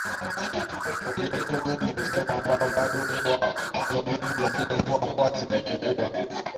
Oleilepunye ni msimu ambao bado huwa kuna unyevu lakini mvua huwa zimepunguwa